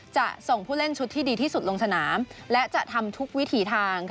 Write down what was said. จะส่งผู้เล่นชุดที่ดีที่สุดลงสนามและจะทำทุกวิถีทาง